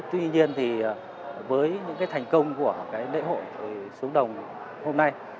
tuy nhiên thì với những cái thành công của cái lễ hội xuống đồng hôm nay